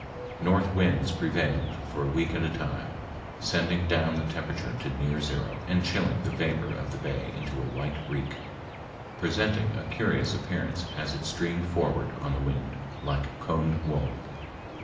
North winds prevailed for a week at a time, sending down the temperature to near zero and chilling the vapor of the bay into white reek, presenting a curious appearance as it streamed forward on the wind, like combed wool.